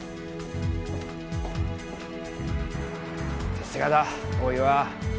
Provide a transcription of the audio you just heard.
さすがだ大岩。